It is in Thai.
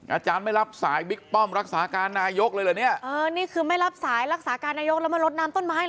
อาจารย์ไม่รับสายบิ๊กป้อมรักษาการนายกเลยเหรอเนี่ยเออนี่คือไม่รับสายรักษาการนายกแล้วมาลดน้ำต้นไม้เหรอ